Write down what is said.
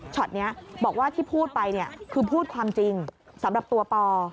ช็อตนี้บอกว่าที่พูดไปคือพูดความจริงสำหรับตัวป